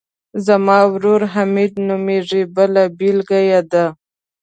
زما ورور حمید نومیږي بله بېلګه ده.